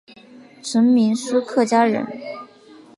陈铭枢客家人。